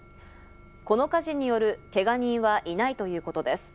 この火事によるけが人はいないということです。